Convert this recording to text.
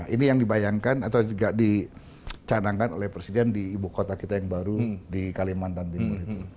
ini yang dibayangkan atau juga dicanangkan oleh presiden di ibu kota kita yang baru di kalimantan timur itu